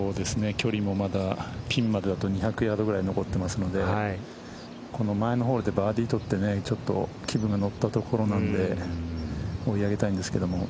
距離もまだピン付近まであと２００ヤード残ってますので前のホールでバーディー取って気分が乗ったところなので追い上げたいんですけども。